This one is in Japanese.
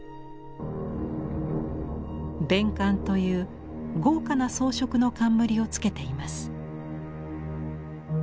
冕冠という豪華な装飾の冠をつけています。